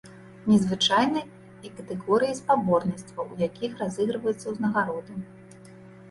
Незвычайныя і катэгорыі спаборніцтваў, у якіх разыгрываюцца ўзнагароды.